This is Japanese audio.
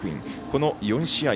この４試合。